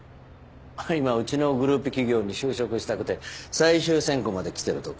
今うちのグループ企業に就職したくて最終選考まで来てるとか。